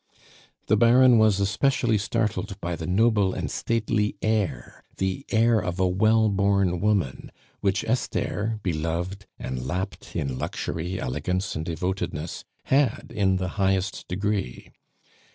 The Baron was especially startled by the noble and stately air, the air of a well born woman, which Esther, beloved, and lapped in luxury, elegance, and devotedness, had in the highest degree.